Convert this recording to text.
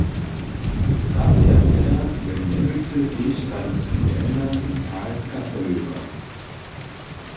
Stracciatella je mjenujcy tež tradicionelna italska poliwka!